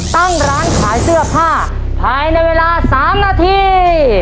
ตั้งร้านขายเสื้อผ้าภายในเวลา๓นาที